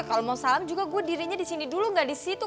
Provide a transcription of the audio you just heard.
kalo mau salam juga gua dirinya disini dulu gak disitu